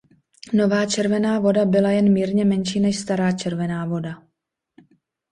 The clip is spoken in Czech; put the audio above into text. Nová Červená Voda byla jen mírně menší než Stará Červená Voda.